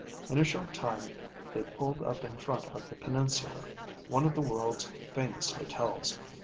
In a short time they pulled up in front of the Peninsular, one of the world's famous hotels.